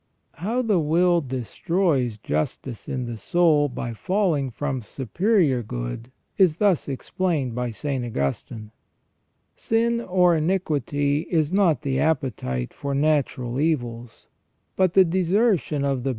"t How the will destroys justice in the soul by falling from superior good is thus explained by St. Augustine :" Sin or iniquity is not the appetite for natural evils, but the desertion of the better * S.